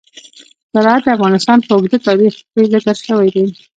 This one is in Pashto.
زراعت د افغانستان په اوږده تاریخ کې ذکر شوی دی.